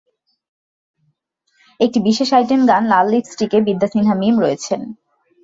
একটি বিশেষ আইটেম গান লাল লিপস্টিক-এ বিদ্যা সিনহা মীম রয়েছেন।